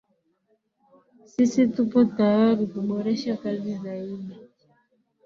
Sisi tuko tayari kuboresha kazi zaidi